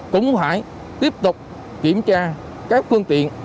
cũng hãy tiếp tục kiểm tra các phương tiện